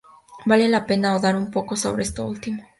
Vale la pena ahondar un poco sobre esto último.